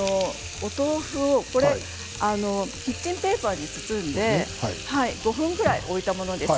お豆腐をキッチンペーパーに包んで５分ぐらい置いたものです。